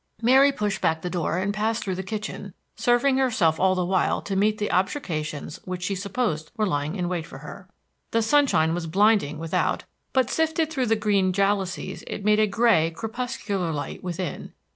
Mary pushed back the door and passed through the kitchen, nerving herself all the while to meet the objurgations which she supposed were lying in wait for her. The sunshine was blinding without, but sifted through the green jalousies, it made a gray, crepuscular light within.